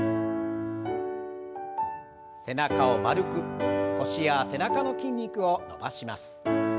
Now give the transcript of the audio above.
背中を丸く腰や背中の筋肉を伸ばします。